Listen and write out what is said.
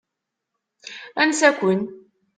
Ansa-ken?